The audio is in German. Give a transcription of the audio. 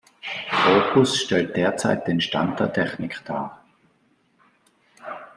Opus stellt derzeit den Stand der Technik dar.